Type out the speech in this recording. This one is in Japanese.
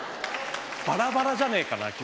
バラバラじゃねえかな急に。